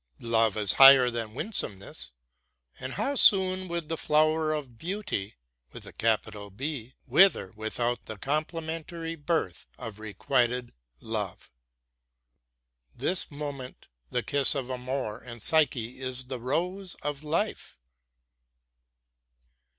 Love is higher than winsomeness, and how soon would the flower of Beauty wither without the complementary birth of requited love. This moment the kiss of Amor and Psyche is the rose of life.